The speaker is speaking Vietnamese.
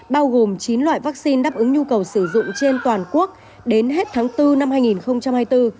bao gồm chín loại vaccine đáp ứng nhu cầu sử dụng trên toàn quốc đến hết tháng bốn năm hai nghìn hai mươi bốn